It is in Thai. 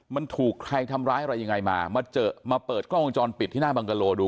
มันถูกใครทำร้ายอะไรยังไงมามาเจอมาเปิดกล้องวงจรปิดที่หน้าบังกะโลดู